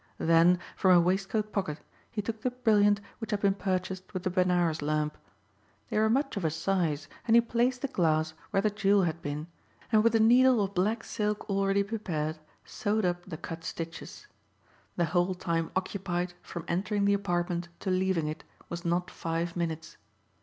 Then from a waistcoat pocket he took the brilliant which had been purchased with the Benares lamp. They were much of a size and he placed the glass where the jewel had been and with a needle of black silk already prepared sewed up the cut stitches. The whole time occupied from entering the apartment to leaving it was not five minutes.